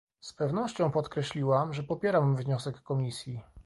Z pewnością podkreśliłam, że popieram wniosek Komisji